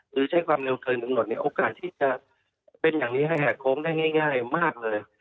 หรือใช้ความเร็วเกินกำหนดเนี่ยโอกาสที่จะเป็นอย่างนี้ให้แหกโค้งได้ง่ายมากเลย